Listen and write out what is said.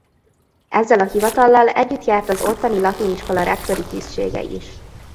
Ezzel a hivatallal együtt járt az ottani latin iskola rektori tisztsége is.